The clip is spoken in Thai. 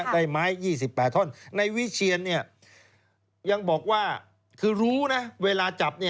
ได้ไม้๒๘ท่อนในวิเชียนยังบอกว่าคือรู้นะเวลาจับ